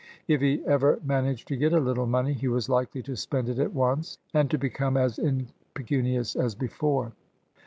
If he ever managed to get a little money, he was likely to spend it at once and to become as impecunious as before.